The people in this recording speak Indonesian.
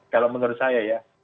kalau menurut saya ya